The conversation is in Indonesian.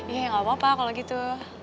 ya gak apa apa kalau gitu